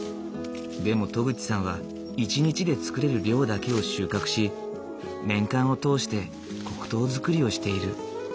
でも渡久地さんは一日で作れる量だけを収穫し年間を通して黒糖作りをしている。